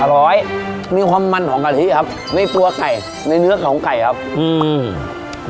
ร้อยมีความมันของกะทิครับในตัวไก่ในเนื้อของไก่ครับอืม